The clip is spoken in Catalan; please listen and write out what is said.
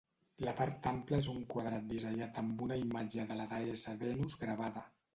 La part ampla és un quadrat bisellat amb una imatge de la deessa Venus gravada.